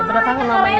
mama aku keren banget